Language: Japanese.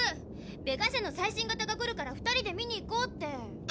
「ベガ社の最新型が来るから２人で見に行こう」って。